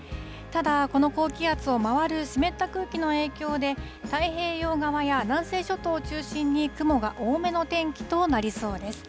ただ、この高気圧を回る湿った空気の影響で、太平洋側や南西諸島を中心に、雲が多めの天気となりそうです。